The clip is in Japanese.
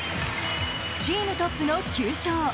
チームトップの９勝。